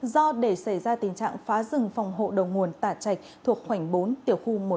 do để xảy ra tình trạng phá rừng phòng hộ đồng nguồn tạ trạch thuộc khoảnh bốn tiểu khu một trăm tám mươi bảy